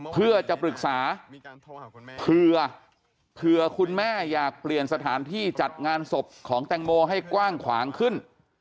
เพื่อจะปรึกษาเผื่อคุณแม่อยากเปลี่ยนสถานที่จัดงานศพของแตงโมให้กว้างขวางขึ้น